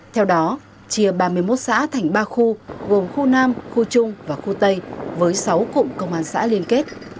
theo đó chia ba mươi một xã thành ba khu gồm khu nam khu trung và khu tây với sáu cụm công an xã liên kết